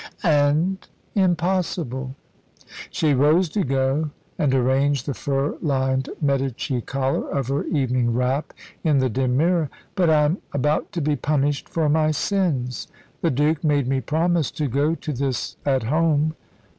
"And impossible!" She rose to go, and arranged the fur lined Medici collar of her evening wrap in the dim mirror. "But I'm about to be punished for my sins. The Duke made me promise to go to this At Home.